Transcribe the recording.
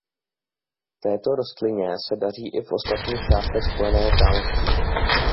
Této rostlině se daří i v ostatních částech Spojeného království.